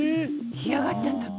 干上がっちゃったの！？